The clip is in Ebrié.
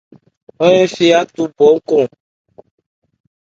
Ɔ́n efɔ́n adubhɛ́ ncɔn.